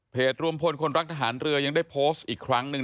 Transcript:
รวมพลคนรักทหารเรือยังได้โพสต์อีกครั้งหนึ่ง